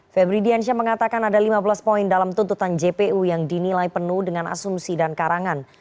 febri diansyah mengatakan ada lima belas poin dalam tuntutan jpu yang dinilai penuh dengan asumsi dan karangan